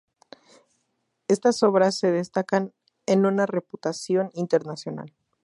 Estas obras se destacan en una reputación internacional.